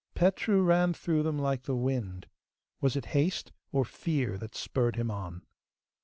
Petru ran through them like the wind. Was it haste or fear that spurred him on?